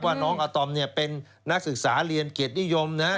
ว่าน้องอาตอมเป็นนักศึกษาเรียนเกียรตินิยมนะครับ